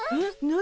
何？